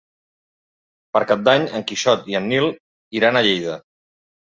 Per Cap d'Any en Quixot i en Nil iran a Lleida.